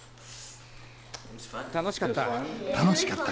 楽しかった。